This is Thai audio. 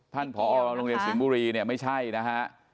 ท่านพอโรงเรียนสิงห์บุรีไม่ใช่นะคะ